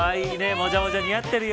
もじゃもじゃ似合ってるよ。